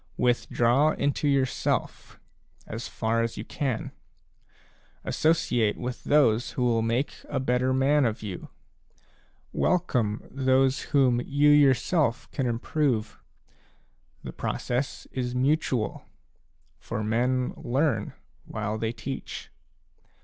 Withdraw into yourself, as far as you can. Associate with those who will make a better man of you. Welcome those whom you yourself can im prove. The process is mutual ; for men learn while they teach.